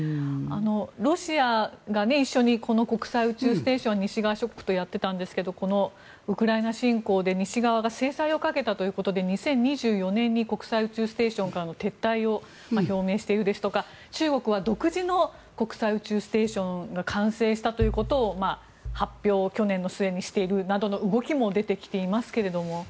ロシアが一緒に国際宇宙ステーション西側諸国とやっていたんですがこのウクライナ侵攻で西側が制裁をかけたということで２０２４年に国際宇宙ステーションからの撤退を表明しているですとか中国は独自の国際宇宙ステーションが完成したということを発表を去年の末にしているなどの動きも出てきていますが。